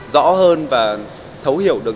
rõ hơn và thấu hiểu được